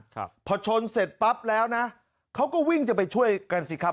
ครับพอชนเสร็จปั๊บแล้วนะเขาก็วิ่งจะไปช่วยกันสิครับ